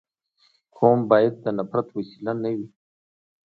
قوم باید د نفرت وسیله نه وي.